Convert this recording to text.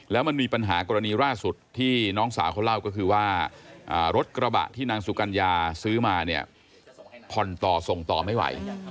แล้วมันมีปัญหากรณีล่าสุดที่น้องสาวเขาเล่าก็คือว่ารถกระบะที่นางสุกัญญาซื้อมาเนี่ยผ่อนต่อส่งต่อไม่ไหว